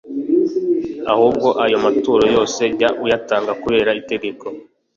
ahubwo ayo maturo yose jya uyatanga kubera itegeko